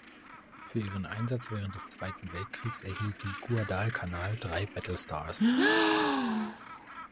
Für ihren Einsatz während des Zweiten Weltkriegs erhielt die "Guadalcanal" drei Battle Stars.